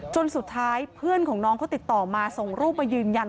จนสุดท้ายเพื่อนของน้องเขาติดต่อมาส่งรูปมายืนยัน